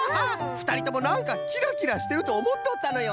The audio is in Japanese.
ふたりともなんかキラキラしてるとおもっとったのよ！